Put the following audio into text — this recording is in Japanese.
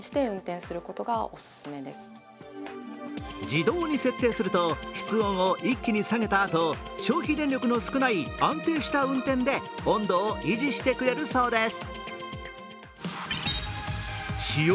自動に設定すると室温を一気に下げたあと、消費電力の少ない暗転した運転で温度を維持してくれるそうです。